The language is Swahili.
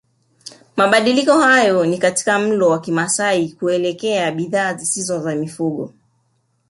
Mabadiliko hayo ni katika mlo wa Kimasai kuelekea bidhaa zisizo za mifugo